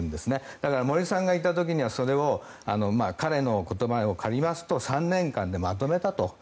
だから、森さんがいた時にはそれを彼の言葉を借りますと３年間でまとめたと。